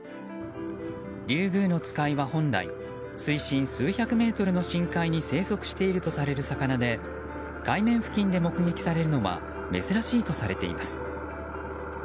リュウグウノツカイは本来水深数百メートルの深海に生息しているとされる魚で海面付近で目撃されるのは珍しいとしています。